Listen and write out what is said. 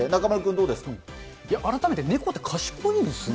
改めてネコって賢いんですね。